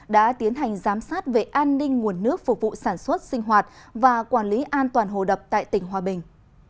đã tiến hành giám sát về an ninh nguồn nước phục vụ sản xuất sinh hoạt và quản lý an toàn hồ đập tại tỉnh hòa bình